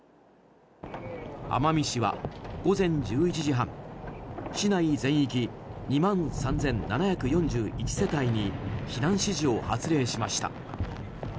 奄美市は午前１１時半市内全域２万３７４１世帯に避難指示を発令しました。